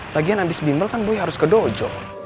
lagian abis bimbel kan boy harus ke dojo